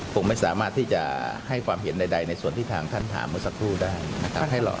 คงไม่สามารถที่จะให้ความเห็นใดในส่วนที่ทางท่านถามเมื่อสักครู่ได้นะครับ